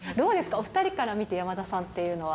お２人から見て、山田さんっていうのは。